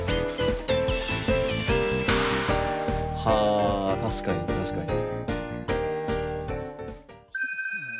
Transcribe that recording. はあ確かに確かに。